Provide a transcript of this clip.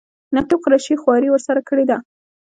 نقیب قریشي خواري ورسره کړې ده.